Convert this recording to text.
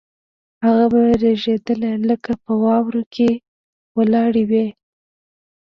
هغه به رېږدېدله لکه په واورو کې ولاړه وي